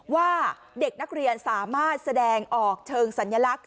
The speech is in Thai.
ว่าเด็กนักเรียนสามารถแสดงออกเชิงสัญลักษณ